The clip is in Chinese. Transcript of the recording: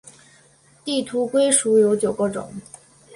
地图龟属有九个种。